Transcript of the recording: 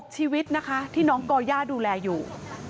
ชีวิตนะคะที่น้องก่อย่าดูแลอยู่